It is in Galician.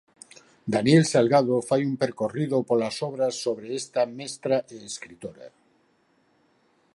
Daniel Salgado fai un percorrido polas obras sobre esta mestra e escritora.